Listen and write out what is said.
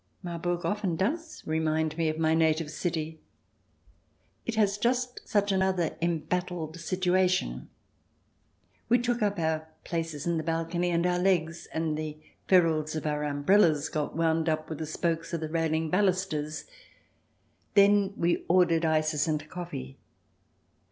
Marburg often does remind me of my native city ; it has just such another embattled situation. We took up our places in the balcony, and our legs and the ferules of our umbrellas got wound up with the spokes of the railing balusters. Then we ordered ices and coffee.